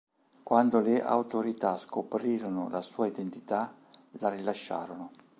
Quando le autorità scoprirono la sua identità, la rilasciarono.